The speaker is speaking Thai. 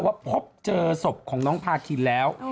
พบเจอศพของน้องพาคินแล้ว